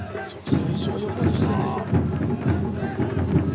最初は横にしてて。